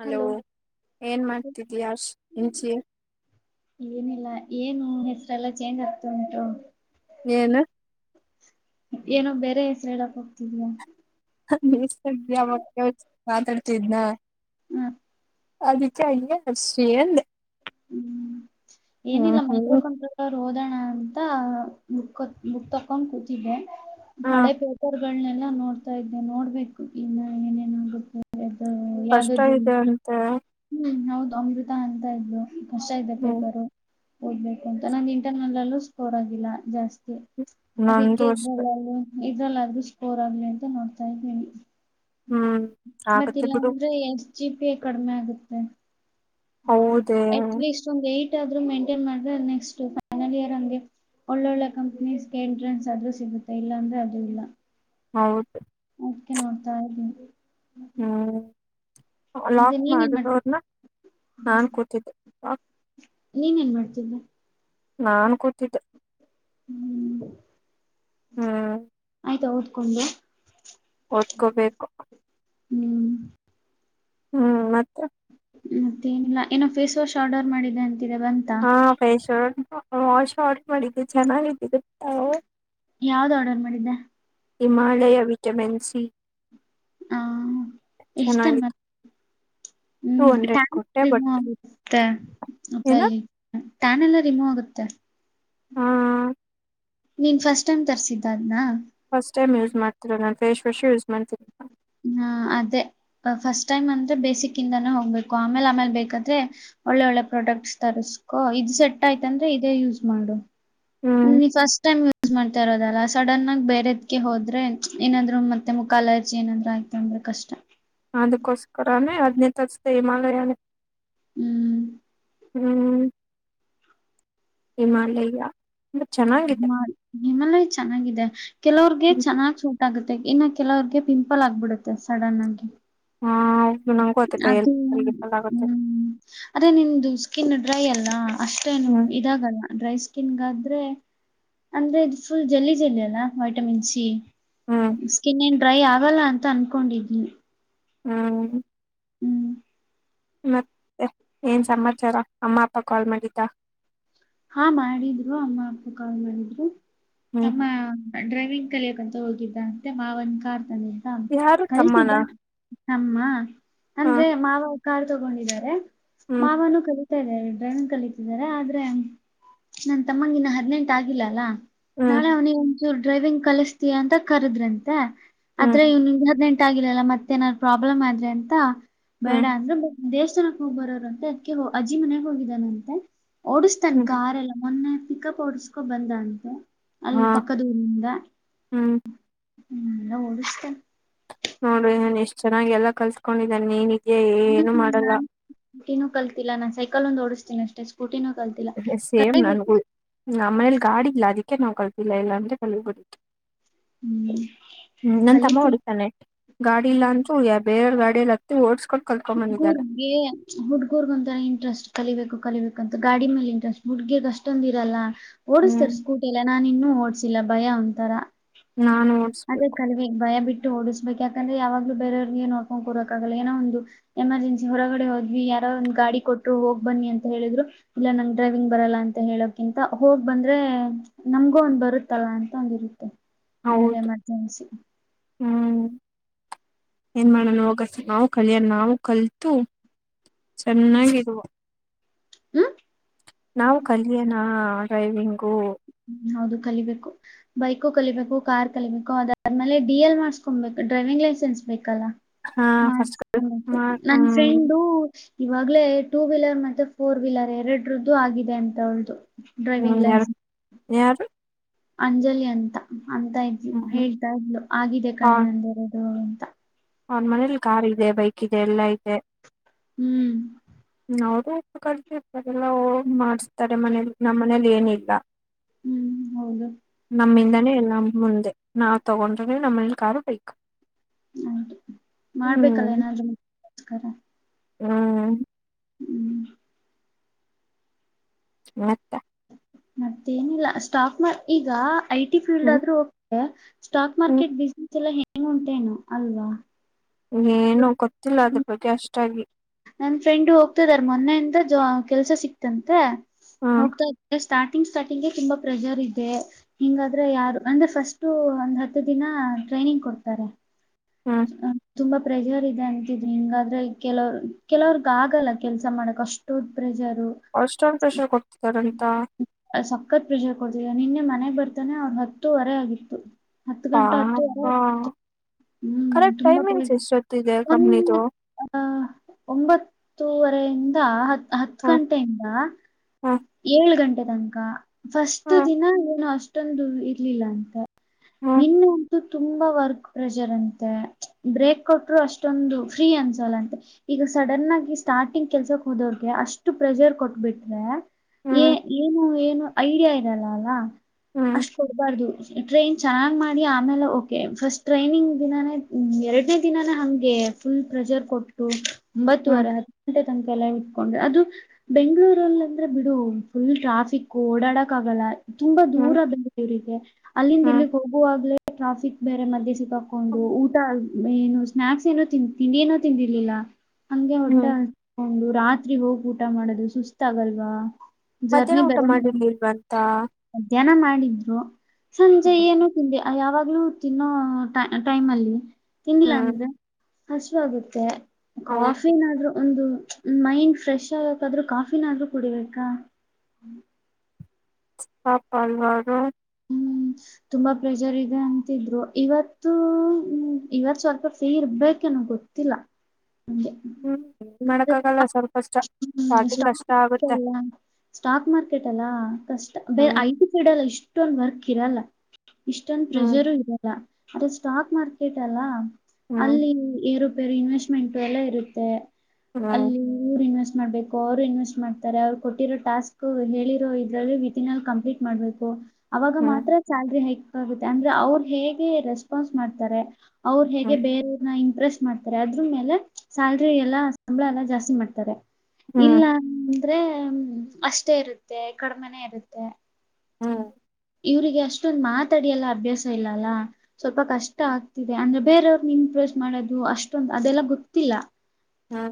Hello ಏನ್ ಮಾಡ್ತಿದಯ ಶ ಇಂಚಿ. ಏನಿಲ್ಲ ಏನು ಹೆಸರೆಲ್ಲಾ ಚೇಂಜ್ ಆಗ್ತ ಉಂಟು. ಏನು. ಏನೋ ಬೇರೆ ಹೆಸರು ಹೇಳಕ್ ಹೋಗ್ತಿದ್ಯಾ. [unintelligible] ಮಾತಾಡ್ತಿದ್ನ. ಹ ಅದಕ್ಕೆ ಹಂಗೆ [unintelligible] ಅಂದೇ. ಹ್ಮ್ ಏನಿಲ್ಲ ಮೈಕ್ರೋ ಹ್ಮ್ ಕಂಟ್ರೋಲ್. ರೋದಣ ಅಂತ ಬ ಬುಕ್ ತಕೊಂಡ ಕು ಇದೆ ಹ ಹಳೆ ಪೇಪರ್ಗಳನೆಲ್ಲ ನೋಡ್ತಾ ಇದ್ದೆ ನೋಡ್ಬೇಕು ಇನ್ನ ಏನೇನಾಗುತ್ತೆ. [unintelligible] ಕಷ್ಟ ಇದೆ ಅಂತೆ. ಹ್ಮ್ ಹೌದು ಅಮೃತ ಅಂತ ಇದ್ಲು ಕಷ್ಟ ಇದೆ ಹ್ಮ್ ಪೇಪರು. ಓದ್ಬೇಕು ಅಂತ ನಂಗ್ ಇಂಟರ್ನಲ್ ಅಲ್ಲೂ ಸ್ಟೋರ್ ಆಗಿಲ್ಲ ಜಾಸ್ತಿ. ಅದಕ್ಕೆ ನಂದು ಅಷ್ಟೆ ಇದ್ರಲ್ಲ ಇದ್ರಲ್ಲ ಆದೂ ಸ್ಕೋರ್ ಆಗ್ಲಿ ಅಂತ ನೋಡ್ತಾ ಇದೀನಿ. ಹು ಹ್ಮ್ ಮತ್ತ ಆಗತ್ತೆ ಬಿಡು ಇಲ್ಲಾಂದ್ರೆ ಎಷ್ಟ್ ಜಿ ಪಿ ಕಡಿಮೆ ಆಗುತ್ತೆ. ಹೌದೇ. ಸುಮ್ಮ ಏಟ್ ಆದ್ರು ಮೆಂಟೇನ್ ಮಾಡದ್ರೆ ನೆಕ್ಸ್ಟ್ ಫೈನಲ್ ಇಯರ್ ಅಂಗೆ ಒಳ್ಳೊಳ್ಳೆ ಕಂಪ್ನೀಸ್ಗೆ ಎಂಟ್ರೆನ್ಸ್ ಆದ್ರೂ ಸಿಗುತ್ತೆ ಇಲ್ಲಾಂದ್ರೆ ಅದು ಇಲ್ಲಾ. ಹೌದ. ಅದಕ್ಕೆ ನೋಡ್ತಾ ಇದ್ದೀನಿ. ಹು ಲಾಕ ಮತ್ತೆ ನೀನೇನ್ ಮಾಡಿದೋ ಮಾಡ್ತಿ ಅದನ್ನ ನಾನ ಕೂತಿದ್ದೆ ಲಾಕ. ನೀನ ಏನ ಮಾಡ್ತಿದ್ದಿ. ನಾನ ಕೂತಿದ್ದೆ. ಹು ಹ್ಮ್ ಆಯ್ತಾ ಓದಕೊಂಡು. ಓದ್ಕೋಬೇಕು. ಹು ಹು ಮತ್ತೆ ಮತ್ತೆ ಏನಿಲ್ಲಾ ಏನೋ ಫೇಸ್ ವಾಶ್ ಆರ್ಡರ್ ಮಾಡಿದ್ದೆ ಅಂತಿದೆ ಬಂತಾ. ಫೇಸ್ ವಾಶ್ ಆಡರ ಮಾಡಿದ್ದು ಚೆನ್ನಾಗಿ ಐತಿ ಇದ ಓ ಯಾವ್ದ್ ಆರ್ಡರ್ ಮಾಡಿದ್ದೆ ಹಿಮಾಲಯ ವಿಟಮಿನ್ ಸಿ. ಆ ಎಷ್ಟನ ಚೆನ್ನಾಗಿತ್ತು ಹು ಟೂ ಹಂಡ್ರೆಡ್ ಟ್ಯಾನ್ ಕೊಟ್ಟೆ ಬಟ್ ರಿಮೂ ಆಗುತ್ತೆ ಏನ ಅದಲ್ಲಿ. ಟ್ಯಾನ್ ಎಲ್ಲಾ ರಿಮೂವ್ ಆಗುತ್ತೆ. ಆ ನೀನ್ ಫಸ್ಟ್ ಟೈಮ್ ತರ್ಸಿದ್ದ ಅದ್ನ. ಫಸ್ಟ್ ಟೈಮ್ ಯೂಸ್ ಮಾಡ್ತಿರಾ ನಾನ್ ಫೇಸ್ ವಾಶ ಯೂಸ್ ಮಾಡತೀನಿ. ಹಾ ಅದೇ ಫಸ್ಟ್ ಟೈಮ್ ಅಂದ್ರೆ ಬೇಸಿಕಿಂದಾನೆ ಹೋಗ್ಬೇಕು ಆಮೇಲ್ ಆಮೇಲ್ ಬೇಕಾದ್ರೆ. ಒಳ್ಳೆ ಒಳ್ಳೆ ಪ್ರೊಡೆಕ್ಸ್ ತರಿಸ್ಕೊ ಇದು ಸೆಟ್ ಆಯ್ತಂದ್ರೆ ಇದೇ ಯೂಸ್ ಮಾಡು. ಅಂದ್ರ ಹ್ಮ್ ನೀಫಸ್ಟ್ ಟೈಮ್ ಯೂಸ್ ಮಾಡ್ತಾ ಇರೋದಲ್ಲಾ. ಸಡನ್ನ ಆಗಿ ಬೇರೆದ್ಕ ಹೋದ್ರೆ ಏನಾದ್ರು ಮತ್ತೆ ಮುಖ ಅಲರ್ಜಿ ಏನಾದರು ಆಯತು ಅಂದ್ರೆ ಕಷ್ಟ. ಅದಕ್ಕೋಸ್ಕರನೇ ಅದ್ನೇ ತರ್ದೆ ಹಿಮಾಲಯನೆ. ಹು ಹು ಹಿಮಾಲಯಾ ಹಾ ರಿ ಹಿಮಾಲಯ ಚೆನ್ನಾಗಿದೆ. ಕೆಲವರ್ಗೆ ಚೆನ್ನಾಗ್ ಸೂಟ್ ಆಗುತ್ತೆ ಇನ್ನು ಕೆಲವರ್ಗೆ ಪಿಂಪಲ್ ಆಗ್ಬಿಡುತ್ತೆ ಸಡನ್ ಆಗಿ. ಹಾ ಹೌದು ನಂಗೋ ಅದೆ ಭಯಾ ಅದು ಡಿಫೆಂಡ್ ಆಗುತ್ತೆ. ಹ್ಮ್ ಅದೇ ನಿಂದು ಸ್ಕಿನ್ ಡ್ರೈ ಅಲ್ಲಾ ಅಷ್ಟೇ. ಹು ಇದಾಗಲ್ಲಾ ಡ್ರೈ ಸ್ಕಿನ್ಗಾದ್ರೆ. ಅಂದ್ರೆ ಇದು ಫುಲ್ ಜಲ್ಲಿ ಜಲ್ಲಿ ಅಲ್ಲಾ ವಿಟಮಿನ್ ಸಿ ಹ್ಮ್ ಸ್ಕಿನ ಏನ್ ಡ್ರೈ ಆಗಲ್ಲಾ ಅಂತ ಅನ್ಕೊಂಡಿದಿನಿ. ಹ ಹು ಮತ್ತೆ ಏನ ಸಮಾಚಾರಾ ಅಮ್ಮ ಅಪ್ಪಾ ಕಾಲ್ ಮಾಡಿದ್ದ. ಹಾ ಮಾಡಿದ್ರು ಅಮ್ಮ ಅಪ್ಪ ಕಾಲ್ ಮಾಡಿದ್ರು ಹ್ಮ್ ತಮ್ಮ. ಡ್ರೈವಿಂಗ್ ಕಲಿಯಕ್ಂತ ಹೋಗಿದ್ದ ಅಂತೆ ಮಾವನ್ ಕಾರ್ ತಂದಿದ್ನಾ ಯಾರು ತಮ್ಮನ ಕಲ್ತಿದ್ದಾ. ಅಮ್ಮ ಹ ಅಂದ್ರೆ ಮಾವ ಕಾರ್ ತಗೊಂಡಿದ್ದಾರೆ ಹ್ಮ್ ಮಾವನು ಕಲಿ ಸ್ತಾರೆ ಡ್ರೈನಿಂಗ್ ಕಲಿತಿದ್ದಾರೆ ಆದ್ರೆ. ನನ್ನ ತಮ್ಮಂಗ ಇನ್ನ ಹದ್ನೆಂಟ ಆಗಿಲ್ಲ ಅಲ್ಲಾ ಹ್ಮ್ ನಾಳೆ ಅವನಿಗೆ ಇವರ ಡ್ರೈವಿಂಗ್ ಕಲಿಸ್ತೀಯಾ ಅಂತ ಕರೆದ್ರಂತೆ ಹ್ಮ್ ಆದ್ರೆ ಇವ್ ಹದ್ನೇನೆಂಟ್ ಆಗಿಲ್ಲಲ್ಲಾ ಮತ್ತೆ. ಮತ್ತೇನಾದ್ರು ಪ್ರಾಬ್ಲಮ್ ಆದ್ರೆ ಅಂತ ಬೇಡ ಹ್ಮ್ ಅಂದ್ರೆ ದೇವಸ್ಥಾನಕ್ಕೆ ಹೋಗಿ ಬರೋರು ಅಂತೆ ಅದ್ಕ್ಕೆ ಅಜ್ಜಿ ಮನೆಯಾಗ ಹೋಗಿದ್ದಾನಂತೆ ತನ್ ಹ್ಮ್ ಕಾರ್ ಎಲ್ಲ ಮೊನ್ನೆ ಪಿಕಪ್ ಓಡಸ್ಕೊ ಬಂದಂತೆ ಅಲ್ಲಿ ಹಾ ಪಕ್ಕದಊರಿಂದ [inaudible] ಹ್ಮ್ ಹ್ಮ ಎಲ್ಲ ಓಡಷ್ಟೇನ ನೋಡ್ರಿ ನಾನು ಎಷ್ಟ್ ಚೆನ್ನಾಗಿ ಎಲ್ಲ ಕಲ್ಸ್ಕೊಂಡಿದ್ದನೆ ನೀನಿದ ಏನು ಮಾಡಲ್ಲ. ಏನೂ ಕಲತಿಲ್ಲ ನಾ ಸೈಕಲ್ ಒಂದ ಓಡಿಸ್ತೀನಿ ಅಷ್ಟೆ ಸ್ಕೂಟಿನೂ ಕಲ್ತಿಲ್ಲ ಕಲಿಬೇಕು ಆಮೇಲ್ ಗಾಡಿ ಇಲ್ಲ ಅದಕ್ಕೆ ನಾವ್ ಕಲ್ತಿಿಲ್ಲ ಇಲ್ಲಾಂದ್ರೆ ಕಲಿಬೋದಿತ್ತು. ಹ್ಮ್ [inaudible] ಹ್ಮ್ ನನ್ ತಮ್ಮ ಕಲಿತೀನಿ ಹೊಡಿತಾನೆ ಗಾಡಿ ಇಲ್ಲಾ ಅಂತೂ ಯ ಬೇರೆಯ ಗಾಡಿಯಲ್ಲಿತ [unintelligible] ಗುರ್ಗೆ. ಹುಡ್ಗರ್ಗ ಒಂತರ ಇಂಟ್ರೆಸ್ಟ್ ಕಲಿಬೇಕು ಕಲಿಬೇಕು ಅಂತ ಗಾಡಿ ಮೇಲೆ ಇಂಟ್ರೆಸ್ಟ್ ಹುಡ್ಗಿರ್ಗ್ ಅಷ್ಟೊಂದ ಇರಲ್ಲ. ಹ್ಮ್ ಓಡಸ್ತಾರೆ ಸ್ಕೂಟಿ ಎಲ್ಲ ನಾನ ಇನ್ನುೂ ಓಡ್ಸಿಲ್ಲ ಭಯ ಒಂತರ ಹ ನಾನು [inaudible] ಅದೇ ಓಡ್ಸ್ಬೇಕು ಕಲ್ವೆ ಈಗ ಭಯ ಬಿಟ್ಟು ಓದಸ್ಬೇಕ ಯಕಂದ್ರೆ ಯಾವಾಗಲೂ ಬೇೆಯವ್ರಿಗೆ ಏರುಕೊಂಡ ಕುರಾಗ್ ಆಗಲ್ಲ ಏನೋ ಒಂದು ಎಮರ್ಜೆನ್ಸಿ ಹೊರಗಡೆ ಹೋದ್ವಿ ಯಾರ ಒಂದ್ ಗಾಡಿ ಕೊಟ್ಟರು ಹೋಗ್ ಬನ್ನಿ ಅಂತ ಹೇಳಿದ್ರು ಇಲ್ಲ ನಂಗ ಡ್ರೈವಿಂಗ್ ಬರಲ್ಲ ಅಂತ ಹೇಳೋಕಿಂತ ಹೋಗ್ ಬಂದ್ರೆ ನಮ್ಗೂ ಒಂದ್ ಬರುತ್ತಲ್ಲ ಅಂತ ಒಂದಿರುತ್ತೆ ಏನಾದ್ರೆ ಹೌದು ಎಮರ್ಜೆನ್ಸಿ [inaudible] ಹ್ಮ ಹ್ಮ್ [unintelligible] ಏನ್ ಮಾಡಣ ಹೋಗಸ ನಾವು ಕಲಿಯಣ ನಾವು ಕಲ್ತು ಚೆನ್ನಾಗಿರುವಾ [inaudible] ಹ್ಮ ನಾವು ಕಲಿಯನ ಡ್ರೈವಿಂಗು [inaudible] ಹೌದು ಕಲಿಬೇಕು ಬೈಕು ಕಲಿಬೇಕು ಕಾರ್ ಕಲಿಬೇಕು ಅದಾದ್ಮೇಲೆ ಡಿ ಎಲ್ ಮಾಡ್ಸ್ಕೊಬೇಕು ಡ್ರೈವಿಂಗ್ ಲೈಸೆನ್ಸ್ ಬೇಕಲ್ಲ ಹಾ ಫಸ್ಟ್ ಮಡಸಕೋ ಬೇಕು ನನ್ ಹ್ಮ್ ಫ್ರೆಂಡು ಇವಾಗ್ಲೇ ಟೂ ವೀಲರ್ ಮತ್ತೆ ಫೋರ್ ವೀಲರ್ ಎರಡರದ್ದು ಆಗಿದೆ ಅಂತ ಅವ್ಳದು. ಹ್ಮ್ ಯಾರು [inaudible] ಯಾರು ಅಂಜಲಿ ಅಂತ ಅಂತ ಇದ್ಲು ಹ್ಮ್ ಹೇಳ್ತಾ ಇದ್ಲು ಆಗಿದೆ ಕಣೆ ನಂದ ಇರೋದು ಅಂತ. ಅವನ್ ಮನೇಲಿ ಕಾರ್ ಇದೆ ಬೈಕ್ ಇದೆ ಎಲ್ಲಾ ಇದೆ ಹ್ಮ್ ಅವರು ಉಪ್ಪು ಕಲ್ತಿರ್ತಾರೆಲ್ಲ ಮಾಡ್ಸ್ತಾರೆ ಮನೇಲಿ ನಮ್ಮ್ ಮನೇಲಿ ಏನಿಲ್ಲ. ಹ್ಮ್ ಹೌದು [inaudible] ನಮ್ಮಿಂದಲೇ ಎಲ್ಲ ಮುಂದೆ ನಾವ್ ತಗೊಂಡ್ರೆ ನಮ್ಮೇಲಿ ಕಾರು ಬೇಕ್ ಹೌದು [inaudible] ಮಾಡ್ಬೇಕಲ್ಲ ಏನಾದ್ರು ಮುಜಾಗರ.. ಹ್ಮ್ ಹ್ಮ್ ಮತ್ತೆ. ಮತ್ತೇನಿಲ್ಲ ಸ್ಟಾಕ್ ಈಗ ಐ ಟಿ ಫೀಲ್ಡ್ ಹ್ಮ್ ಆದ್ರೂೋಗೆ ಸ್ಟಾಕ್ ಹ್ಮ್ ಮಾರ್ಕೆಟ್ ಬಿಸ್ನೆಸ್ ಎಲ್ಲ ಹೆಂಗ ಉಂಟೇನು ಅಲ್ವಾ? ಏನು ಗೊತ್ತಿಲ್ಲ ಅದ್ರ ಬಗ್ಗೆ ಅಷ್ಟಾಗಿ ನಮ ಫ್ರೆಂಡ್ ಹೋಗ್ತಾ ಇದಾರ ಮೊನ್ನೆಯಿಂದ ಜ ಕೆಲ್ಸ ಸಿಕ್ತಂತೆ ಹ್ಮ್ ಹೋಗ್ತಾ ಸ್ಟಾರ್ಟಿಂಗ್ ಸ್ಟಾರ್ಟಿಂಗ್ಗೆ ತುಂಬಾ ಪ್ರೆಷರ್ ಇದೆ. ಹಿಂಗಾದ್ರೆ ಯಾರು ಅಂದ್ರೆ ಫಸ್ಟು ಒಂದ್ ಹತ್ತು ದಿನ ಟ್ರೈನಿಂಗ್ ಕೊಡ್ತಾರೆ. ಹ್ಮ್ [inaudible] ತುಂಬಾ ಪ್ರೆಜರ್ ಇದೆ ಅಂತಿದ್ರಿ ನಿನ್ಂಗಾದ್ರೆ ಕೆಲವರು. ಕೆಲವರ್ಗ ಆಗಲ್ಲ ಕೆಲ್ಸ ಮಾಡಕ್ ಅಷ್ಟು ಪ್ರೆಜರ್.. ಅಷ್ಟೊಂದ್ ಪ್ರೆಷರ್ ಕೊಡ್ತಿದಿದ್ದಾರ ಅಂತಾ... ಸಕ್ಕತ್ ಪ್ರೆಷರ್ ಕೊಡ್ತೀಯ ನಿನ್ನೆ ಮನೆಗ್ ಬರ್ತಾನೆ ಅವ್ರರು ಹತ್ತೂುವರೆ ಆಗಿತ್ತು ಹತ್ತು ಗಂಟಾ ಪಾಪ ಹತ್ತು ಹ್ಮ್ ಕರೆಕ್ಟ್ ತುಂಬಾ ಪ್ರಯ ಟೈಮಿಂಗ್ಸ್ ಎಷ್ಟೊತ್ತಿದೆ ಕಂಪ್ನಿದು ಆಹ ಒಂಬತ್ತುವರೆಯಿಂದ ಹತ್ ಹತ್ತು ಹ್ಮ್ ಗಂಟೆಯಿಂದ ಹ್ಮ್ ಏಳ್ ಗಂಟೆ ತನಕ ಫಸ್ಟ್ ಹ್ಮ್ ದಿನ ಏನು ಅಷ್ಟೊಂದು ಇರ್ಲಿಲ್ಲ ಅಂತ ಹ್ಮ್ ನಿನ್ನಂತ ತುಂಬಾ ವರ್ಕ್ ಪ್ರೆಷರ್ ಅಂತೆ ಬ್ರೇಕ್ ಕೊಟ್ಟರು ಅಷ್ಟೊಂದು ಫ್ರೀ ಅನ್ಸಲ್ಲ ಅಂತೆ ಈಗ ಸಡನ್ ಆಗಿ ಸ್ಟಾರ್ಟಿಂಗ್ ಕೆಲ್ಸಕ್ ಹೋದೋ್ರಗೆ ಅಷ್ಟು ಪ್ರೆಷರ್ ಕೊಟ್ಬಿಟ್ರೆ ಏ ಹ್ಮ್ ಏನು ಏನು ಐಡಿಯಾ ಇರಲ್ಲ ಅಲ್ಲ ಹ್ಮ್ ಅಷ್ಟ್ ಕೊಡ್ಬಾರ್ದು ಟ್ರೈನ್ ಚೆನ್ನಾಗಿ ಮಾಡಿ ಆಮೇಲೆ ಓಕೆ ಫಸ್ಟ್ ಟ್ರೈನಿಂಗ್ ದಿನೇ ಎರಡನೇ ದಿನಾನೇ ಹಾಗೇ ಫುಲ್ ಪ್ರೆಷರ್ ಕೊಟ್ಟು ಹ್ಮ್ ಒಂಬತ್ತುವರೆ ಹತ್ತು ಗಂಟೆ ತನಕ ಎಲ್ಲ ಇಟ್ಕೊಂಡ್ರೆ ಅದು ಬೆಂಗಳೂರಲ್ಲಿ ಅಂದ್ರೆ ಬಿಡು ಫುಲ್ ಟ್ರಾಫಿಕ್ ಓಡಾಡಕ್ ಆಗಲ್ಲ ತುಂಬಾ ಹ್ಮ್ ದೂರ ಬೆ ಇವ್ರರಿಗೆ ಅಲ್ಲಿಂದ ಹ್ಮ್ ಇಲ್ಲಿಗೆ ಹೋಗುವಾಗ್ಲೇ ಟ್ರಾಫಿಕ್ ಬೇರೆ ಮಧ್ಯೆ ಸಿ ತಕೊಂಡು ಊಟ ಏನು ಸ್ನಾಯಕ್ಸ್ ಏನೋ ತಿ ತಿಂಡಿ ಏನೋ ತಿಂದಿರ್ಲಿಲ್ಲ ಹಂಗೆ ಹೊಟ್ಟೆ ಹ್ಮ್ ಅಕೊಂಡು ರಾತ್ರಿ ಹೋಗಿ ಊಟ ಮಾಡೋದು ಸುಸ್ತ ಆಗಲ್ವಾ ಜರ್ನಿ ಮಧ್ಯಾಹ್ನ ಊಟ ಬರ ಮಾಡಿರ್ಲಿಲ್ವಂತ ಮಧ್ಯಾಹ್ನ ಮಾಡಿದ್ರು ಸಂಜೆ ಹ್ಮ್ ಏನು ತಿಿಂದೆ ಯಾವಾಗ್ಲೂ ತಿನ್ನೋ ಟೈಮ್ ಅಲ್ಲಿ ತಿಂದಿಲ್ಲ ಹ್ಮ್ ಅಂದ್ರೆ ಹಸುಗುತ್ತೆ ಕಾಫಿ ಹೌದು ಕಾಫನ್ ಆದ್ರೂ ಒಂದು ಮೈಂಡ್ ಫ್ರೆಶ್ ಆಗಕಾದ್ರೂ ಕಾಫಿನ ಆದ್ರೂ ಕುಡಿಬೇಕಾ ಕ್ಕಪಲ್ವಾರು ಹ್ಮ್ ತುಂಬಾ ಪ್ರೆಷರ್ ಇದೆ ಅಂತಿದ್ರು ಇವತ್ತು್ಮ ಇವತ್ ಸ್ವಲ್ಪ ಫ್ರೀ ಇರ್ಬೇಕನ ಗೊತ್ತ ಗತ್ತಲ್ಲ ನಮಗೆ ಹ್ಮ್ ಮಾಡಕ ಆಗಲ್ಲ ಸ್ವಲ್ಪಷ್ಟ ಹ್ಮ್ ಸ್ಟಾಕ್ ಅ ಸ್ಟಾಕ್ ಮಾರ್ಕೆಟ್ ಅಲ್ಲ ಕಷ್ಟ ಬೇರೆ ಹ್ಮ್ ಐಟ ಇಡಲ್ಲ ಇಷ್ಟೊಂದ್ ವರ್ಕ್ ಇರಲ್ಲ ಇಷ್ಟೊಂದ್ ಹ್ಮ್ ಪ್ರೆಜರು ಇರಲ್ಲ ಅ್ರೆ ಸ್ಟಾಕ್ ಮಾರ್ಕೆಟ್ ಅಲ್ಲ ಹ್ಮ್ ಅಲ್ಲಿ ಏ ಬೇರೆ ಇನ್ವೆಸ್ಟ್ಮೆಂಟ್ ಎಲ್ಲ ಇರುತ್ತೆ ಹ್ಮ್ ಅಲ್ಲಿ ರು ಇನ್ವೆಸ್ಟ್ ಮಾಡ್ಬೇಕು ಅವರು ಇನ್ವೆಸ್ಟ್ ಮಾಡ್ತಾರೆ ಅವ್ರು ಕೊಟ್ಟಿರೋ ಟಾಸ್ಕ್ ಹೇಳಿರೋ ಇದ್ರಲ್ಲಿ ವಿತ್ ಇನ್ ಆಲ್ ಕಂಪ್ಲೀಟ್ ಮಾಡ್ಬೇಕು ಅವಾಗ ಹ್ಮ್ ಮಾತ್ರ ಸ್ಯಾಲ್ರಿ ಹೆಕ್ಗುತ್ತೆ ಅಂದ್ರೆ ಅವರು ಹೇಗೆ ರೆಸ್ಪಾನ್ಸ್ ಮಾಡ್ತಾರೆ ಅವರು ಹೇಗೆ ಹ್ಮ್ ಬೇರೆಯನ ಇಂಟ್ರೆಸ್ಟ್ ಮಾಡ್ತಾರೆ ಅದ್ರ ಮೇಲೆ ಸಲ್ರಿ ಎಲ್ಲ ಸಂಬಳ ಎಲ್ಲ ಜಾಸ್ತಿ ಮಾಡ್ತಾರೆ ಹ್ಮ್ ಇಲ್ಲ ಅಂದ್ರೆ ಅಷ್ಟೇ ಇರುತ್ತೆ ಕಡಿಮೆನ ಇರುತ್ತೆ ಹ್ಮ ಹ್ಮ್ ಇವಿಗೆ ಅಷ್ಟೊಂದು ಮಾತಾಡಿ ಎಲ್ಲ ಅಭ್ಯಾಸ ಇಲ್ಲಲ್ಲ ಸ್ವಲ್ಪ ಕಷ್ಟ ಆಗ್ತಿದೆ ಅಂದ್ರೆ ಬೇರೆಯವ್ರನ್ನ ಇಂಪ್ರೆಸ್ ಮಾಡೋದು ಅಷ್ಟೊಂದು ಅದೆಲ್ಲ ಗೊತ್ತಿಲ್ಲ ಹಾ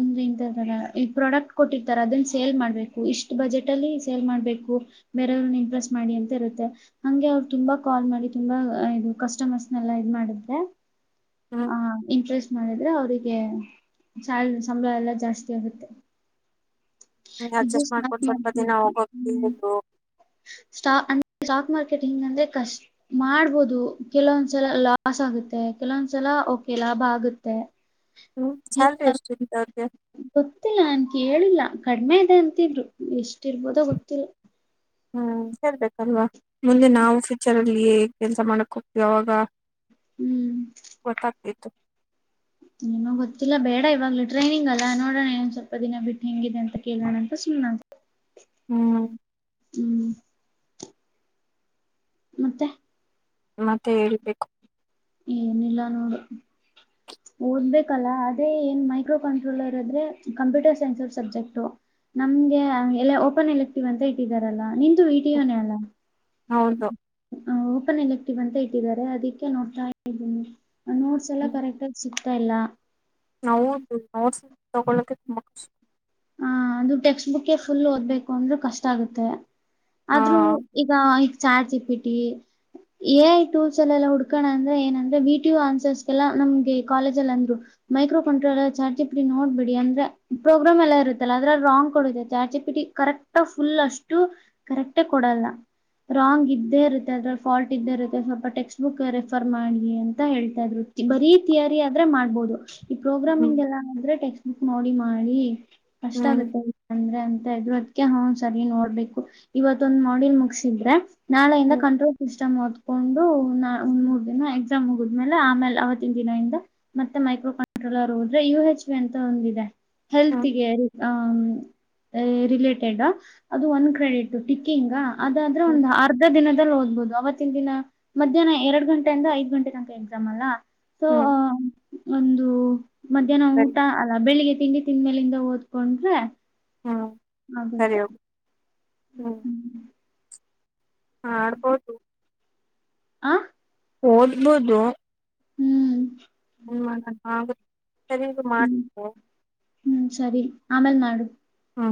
ಅಂದ್ರೆ ಇಂತತಾರ ಈ ಪ್ರಾಡಕ್ಟ್ ಕೊಟ್ಟಿರ್ತಾರ ಅದನ್ನ ಸೇಲ್ ಮಾಡ್ಬೇಕು ಇಷ್ಟು ಬಜೆಟ್ ಅಲ್ಲಿ ಸೇಲ್ ಮಾಡ್ಬೇಕು ಬೇರೆಯವ್ರನ್ನ ಇಂಟ್ರೆಸ್ಟ್ ಮಾಡಿ ಅಂತ ಇರುತ್ತೆ ಹಂಗೆ ಅವರು ತುಂಬಾ ಕಾಲ್ ಮಾಡಿ ತುಂಬಾ ಇದು ಕಸ್ಟಮರ್ಸ್ನೆಲ್ಲ ಇದ್ ಮಾಡಿದೆ ಹ್ಮ್ ಹ ಇಂಟ್ರೆಸ್ಟ್ ಮಾಡಿದ್ರೆ ಅವ್ರಿಗೆ ಸಲ್ ಸಂಬಳ ಎಲ್ಲ ಜಾಸ್ತಿ ಆಗುತ್ತೆ ಇದು ಅಡ್ಜಸ್ಟ್ ಸ್ಾಕ್ ಮಾಡ್ಕೊಂಡು ಸ್ವಲ್ಪ ಮಾಡ್ಕ ದಿನ ಹೋಗೋಕೆ ಹ್ಮ ಹೇಳು. ಸಾ ಸ್ಟಾಕ್ ಮಾರ್ಕೆಟಿಂಗ್ ಅಂದೆ ಕಷ್ಟ ಮಾಡ್ಬೋದು ಕೆಲವೊಂದ್ಸಲ ಲಾಸ್ ಆಗುತ್ತೆ ಕೆಲವೊಂದ್ಸಲ ಓಕೆ ಲಾಭ ಆಗುತ್ತೆ ಹ್ಮ್ ಚಲ್ ರೀ ಎಷ್ಟುಂತ ಅವ್ರಿಗೆ ಗೊತ್ತಿಲ್ಲ ನನ್ ಕೇಳಿಲ್ಲ ಕಡಿಮೆ ಇದೆ ಅಂತಿದ್ರು ಎಷ್ಟ ಇರ್ಬೋದೋ ಗೊತ್ತಿಲ್ಲ ಹ್ಮ್ ಸೇರ್ಬೇಕಲ್ವಾ ಮುಂದೆ ನಾವು ಫ್ಯೂಚರ್ ಅಲ್ಲಿ ಕೆಲ್ಸ ಮಾಡಕ್ಗ್ತೀವಿ ಅವಾಗ ಹ್ಮ್ ಗೊತ್ತಾಗ್ತತ್ತು ನೀನ ಗೊತ್ತಿಲ್ಲ ಬೇಡ ಇವಾಗ್ಲು ಟ್ರೈನಿಂಗ್ ಅಲ್ಲ ನೋಡೋಣೇಏ ಸ್ವಲ್ಪ ದಿನ ಬಿಟ್ಟ ಹೆಂಗಿದೆ ಅಂತ ಕೇಳಣಂತ ಸುನಂತೆ ಹ್ಮ್ ಹ್ಮ್ ಮತ್ತೆ ಮತ್ತೆ ಹೇಳ್ಬೇಕು ಏನಿಲ್ಲ ನೋಡು ಓದ್ಬೇಕಲ್ಲ ಅದೇ ಏನ್ ಮೈಕ್ರೋ ಕಂಟ್ರೋಲರ್ ಅದ್ರೆ ಕಂಪ್ಯೂಟರ್ ಸೈನ್ಸ್ ಸಬ್ಜೆಕ್ಟು ನಮ್ಗೆ ಎಲ್ಲ ಓಪನ್ ಎಲ್ಲಿ ಇಕ್ತೀವ ಅಂತ ಇಟ್ಟಿದಾರಲ್ಲಾ ನಿ ಹನಲ್ಲ ಹೌದು ಓಪನ್ ಎಲೆಕ್ಟಿವ್ ಅಂತ ಇಟ್ಟಿದ್ದಾರೆ ಅದಕ್ಕೆ ನೋಡ್ತಾ ನೋಟ್ಸ್ ಎಲ್ಲಾ ಕರೆಕ್ಟ್ ಸಿಗ್ತಾ ಇಲ್ಲ ನಾವು ನೋವು ತಗೊಳ್ಳಕ್ಕೆೆ ತುಂಬಾ ಖು ಹ ಅದು ಟೆಕ್ಸ್ಟ್ ಬುಕ್ ಫುಲ್ ಓದ್ಬೇಕು ಅಂದ್ರೂ ಕಷ್ಟ ಆಗುತ್ತೆ ಹಾ ಆದ್ರೂ ಈಗ ಈಗ ಚಾರ್ ಚಪ್ಪಿಟ್ಟಿ ಎ ಐ ಟೂಲ್ಸ್ ಎಲ್ಲ ಎಲ್ಲ ಹುಡ್ಕೋಣ ಅಂದ್ರೆ ಏನಂದ್ರೆ ವಿ ಟ ಆನ್ಸರ್ಸ್ಗೆಲ್ಲಾ ನಮ್ಗೆ ಕಾಲೇಜಲ್ಲಿ ಅಂದ್ರು ಮೈಕ್ರೋ ಕಂಟ್ರೋಲ್ ಚಾರ್ಜ ಇ ಬಿಡಿ ನೋಡ್ಬಿಡಿ ಅಂದ್ರೆ ಪ್ರೋಗ್ರಾಮ್ ಎಲ್ಲ ಅದ್ರ ರಾಂಗ್ ಕೊಡ ಚಾ ಚಿಪಿಟಿ ಕರೆಕ್ಟ್ ಫುಲ್ ಅಷ್ಟು ಕರೆಕ್ಟೇ ಕೊಡಲ್ಲ ರಾಂಗ್ ಇದ್ದೇ ಇರುತ್ತೆ ಅದ್ರ ಫಾಲ್ಟ್ ಇದ್ದೇ ಇರುತ್ತೆ ಸ್ವಲ್ಪ ಟೆಕ್ಸ್ಟ್ ಬುಕ್ ರೆಫರ್ ಮಾಡಿ ಅಂತ ಹೇಳ್ತಾ ಇದ್ರು ಬರೀ ತಯಾರಿ ಆದ್ರೆ ಮಾಡ್ಬೋದು ಈ ಹ್ಮ್ ಪ್ರೋಗ್ರಾಮಿಂಗ್ ಎಲ್ಲ ಅಂದ್ರೆ ಟೆಕ್ಸ್ಟ್ ಬುಕ್ ನೋಡಿ ಮಾಡಿ ಕಷ್ಟ ಹ್ಮ್ ಆಗುತ್ತೆ ಅಂದ್ರೆ ಅಂತ ಇದ್ರು ಅದ್ಕ ಹ್ ಸರಿ ನೋಡ್ಬೇಕು ಇವತ್ದ್ ಮಾಡಿಲ್ ಮುಗಸಿದ್ರೆ ನಾ ಎಂತ ಹ್ಮ್ ಕಂಟ್ರೋ ಇಷ್ಟ ಹೊದಕೊಂಡು ಒಂದ್ ಮೂರ್ ದಿನ ಎಕ್ಸಾಮ್ ಹಗಿದ್ಮೇಲೆ ಆಮೇಲೆ ಆವತ್ತಿನ ದಿನ ಇಂದ ಮತ್ತೆ ಮೈಕ್ರೋ ಕಂಟ್ರೋಲರ್ ಹೋದ್ರೆ ಯು ಹೆಚ್ ವಿ ಅಂತ ಒಂದಿದೆ ಹ್ಮ್ ಹೆಲ್ತ್ಗೆ ಹ್ಮ ರಿಲೇಟೆಡ್ ಅದು ಒನ್ ಕ್ರೆಡಿಟ್ ಟಿಕ್ಕಿಂಗ್ ಅದಾದ್ರೆ ಹ್ಮ್ ಒಂದು ಅರ್ಧ ದಿನದಲ್ಲಿ ಓದ್ಬಹುದು ಅವತ್ತು ಇತ್ತ ದಿನ ಮಧ್ಯಾಹ್ನ ಎರಡ್ ಗಂಟೆಯಿಂದ ಐದ್ ಗಂಟೆ ತನಕ ಎಕ್ಸಾಮ್ ಅಲ್ಲ ಸೊ ಹ್ಮ್ ಒಂದು ಮಧ್ಯಾಹ್ನ ಊಟ ಅಲ್ಲ ಬೆಳಿಗ್ಗೆ ತಿಂಡಿ ತಿಂದ ಮೇಲಿಂದ ಓದ್ಕೊಂಡ್ರೆ ಹ್ಞೂ ಹರಿ ಆಗುತ್ತೆ ಹ್ಞೂ ಹಾ ಆಡ್ಬೋದು ಆ ಓದಬೋದು ಹ್ಮ್ ನ್ ಆ ಸರಿ ಮಾಡ್ ಹ್ಮ್ ಹ್ಮ್ ಸರಿ ಆಮೇಲ್ ಮಾಡಾಡು ಹಾ